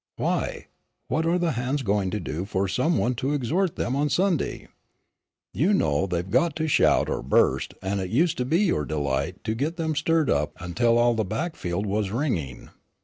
"Why, what are the hands going to do for some one to exhort them on Sunday. You know they've got to shout or burst, and it used to be your delight to get them stirred up until all the back field was ringing."